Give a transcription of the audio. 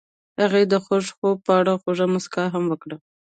هغې د خوښ خوب په اړه خوږه موسکا هم وکړه.